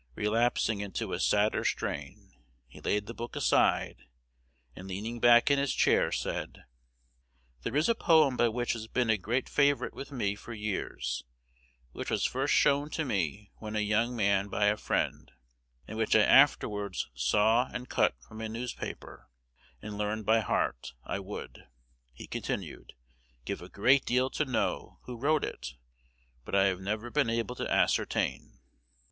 Relapsing into a sadder strain, he laid the book aside, and, leaning back in his chair, said, "'There is a poem which has been a great favorite with me for years, which was first shown to me when a young man by a friend, and which I afterwards saw and cut from a newspaper, and learned by heart. I would,' he continued, 'give a great deal to know who wrote it; but I have never been able to ascertain.'